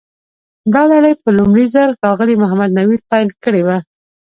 دا لړۍ په لومړي ځل ښاغلي محمد نوید پیل کړې وه.